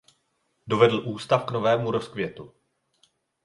Dovedl ústav k novému rozkvětu.